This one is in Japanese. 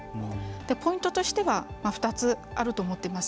ポイントとしては２つあると思っています。